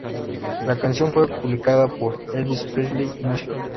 La canción fue publicada por Elvis Presley Music.